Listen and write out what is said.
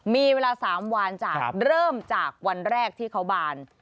มีเวลา๓วันจากเริ่มจากวันแรกที่เขาบาน